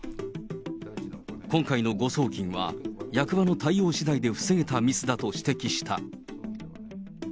今回の誤送金は、役場の対応しだいで防げたミスだと指摘した。